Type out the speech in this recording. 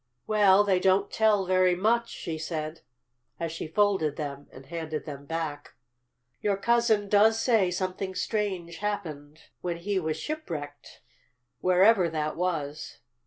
"Well, they don't tell very much," she said as she folded them and handed them back. "Still your cousin does say something strange happened when he was shipwrecked, wherever that was.